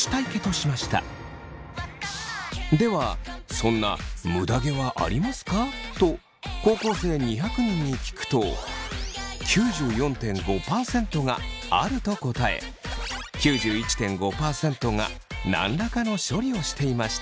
そんな「むだ毛はありますか？」と高校生２００人に聞くと９４．５％が「ある」と答え９１．５％が何らかの処理をしていました。